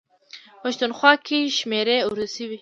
پښتونخوا کې شمېرې اردو شوي.